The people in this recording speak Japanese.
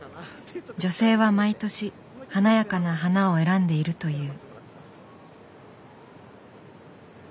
女性は毎年華やかな花を選んでいるという。